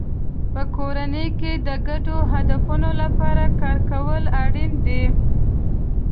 په کورنۍ کې د ګډو هدفونو لپاره کار کول اړین دی.